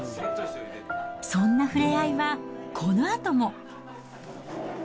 そんな触れ合いはこのあとも。